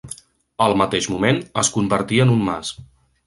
Al mateix moment, es convertí en un mas.